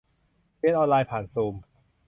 เรียนออนไลน์ผ่านซูม